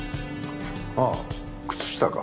ああ靴下か。